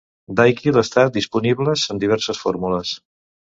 DayQuil està disponibles en diverses fórmules.